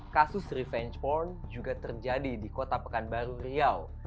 kasus revenge porn juga terjadi di kota pekanbaru riau